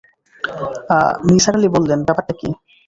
নিসার আলি বললেন, ব্যাপারটা কী?